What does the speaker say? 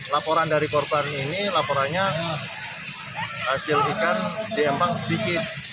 laporan dari korban ini laporannya hasil ikan diempang sedikit